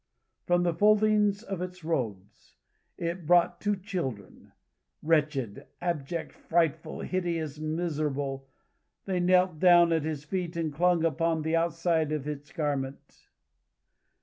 From the foldings of its robe, it brought two children; wretched, abject, frightful, hideous, miserable. They knelt down at its feet, and clung upon the outside of its garment.